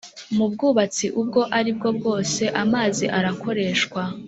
mu bwubatsi ubwo ari bwo bwose amazi arakoreshwa